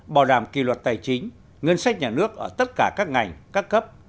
bảo đảm kỳ luật tài chính ngân sách nhà nước ở tất cả các ngành các cấp